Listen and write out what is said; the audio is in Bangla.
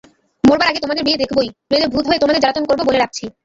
মরবার আগে তোমাদের বিয়ে দেখবই, নইলে ভূত হয়ে তোমাদের জ্বালাতন করব বলে রাখছি।